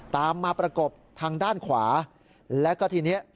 ตามมาประกบทางด้านขวาแล้วก็ทีนี้